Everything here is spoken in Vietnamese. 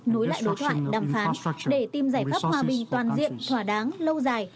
nối lại đối thoại đàm phán để tìm giải pháp hòa bình toàn diện thỏa đáng lâu dài